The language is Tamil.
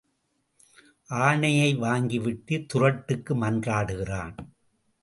ஆனையை வாங்கிவிட்டுத் துறட்டுக்கு மன்றாடுகிறான்.